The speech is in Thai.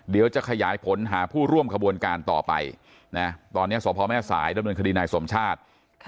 เดี๋ยวจะขยายผลหาผู้ร่วมขบวนการต่อไปนะตอนนี้สพแม่สายดำเนินคดีนายสมชาติ